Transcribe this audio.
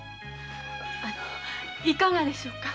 いかがでしょうか？